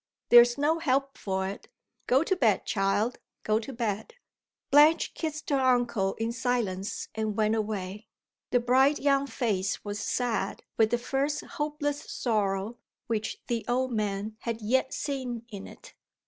There is no help for it. Go to bed, child go to bed." Blanche kissed her uncle in silence and went away. The bright young face was sad with the first hopeless sorrow which the old man had yet seen in it.